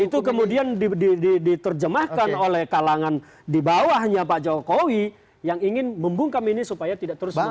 itu kemudian diterjemahkan oleh kalangan di bawahnya pak jokowi yang ingin membungkam ini supaya tidak terus menerus